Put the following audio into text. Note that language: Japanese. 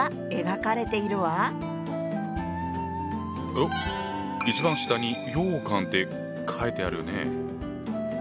おっ一番下にようかんって書いてあるね。